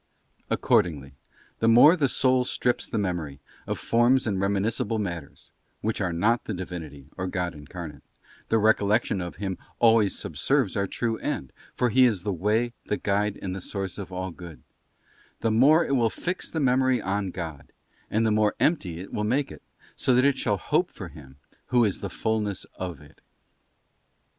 Accordingly the more the soul strips the memory of forms and reminiscible matters, which are not the Divinity or God Incarnate — the recollection of Him always sub serves our true end, for He is the Way, the Guide, and the Source of all good —the more it will fix the memory on God, and the more empty it will make it, so that it shall hope for Him who is the Fulness of it.